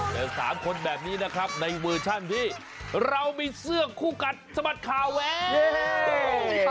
เจอ๓คนแบบนี้นะครับในเวอร์ชันที่เรามีเสื้อคู่กัดสะบัดข่าวแวว